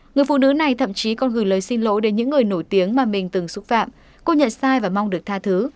người phụ nữ này thậm chí còn gửi lời xin lỗi đến những người nổi tiếng mà mình từng xúc phạm cô nhận sai và mong được tha thứ